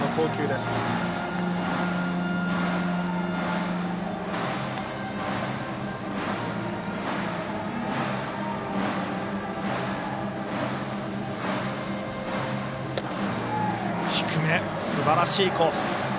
すばらしいコース。